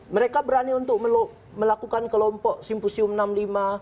mereka berani untuk melakukan kelompok simposium enam puluh lima